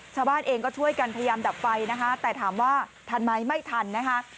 ชาวบ้านเองก็ช่วยกันพยายามดับไฟนะคะแต่ถามว่าทันไหมไม่ทันนะคะ